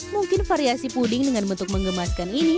mungkin variasi puding dengan bentuk mengemaskan ini